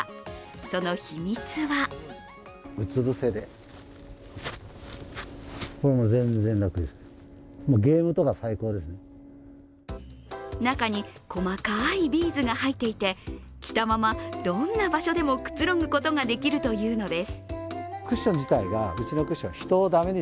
その秘密は中に細かいビーズが入っていて着たままどんな場所でもくつろぐことができるというのです。